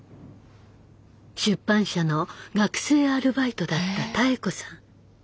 出版社の学生アルバイトだった妙子さん。